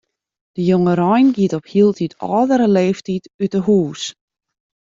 De jongerein giet op hieltyd âldere leeftiid út 'e hûs.